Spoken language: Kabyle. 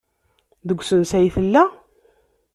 Deg usensu ay tella?